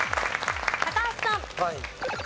高橋さん。